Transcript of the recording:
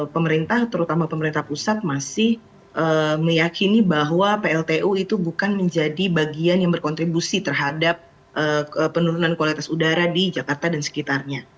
pemerintah terutama pemerintah pusat masih meyakini bahwa pltu itu bukan menjadi bagian yang berkontribusi terhadap penurunan kualitas udara di jakarta dan sekitarnya